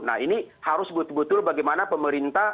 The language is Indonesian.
nah ini harus betul betul bagaimana pemerintah